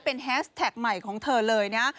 เป็นแฮสแท็กใหม่ของเธอเลยนะ